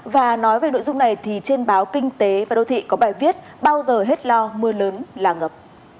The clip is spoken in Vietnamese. và nói về nội dung này thì trên báo kinh tế và đô thị có bài viết bao giờ hết lo mưa lớn là ngập